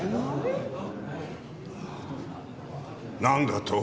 何だと？